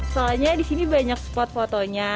soalnya disini banyak spot fotonya